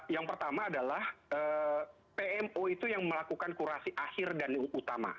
yang pertama adalah pmo itu yang melakukan kurasi akhir dan utama